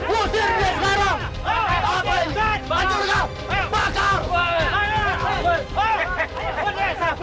usir dia sekarang